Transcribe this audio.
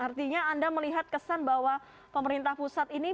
artinya anda melihat kesan bahwa pemerintah pusat ini